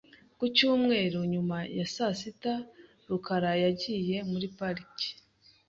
Ku cyumweru nyuma ya saa sita, rukara yagiye muri parike .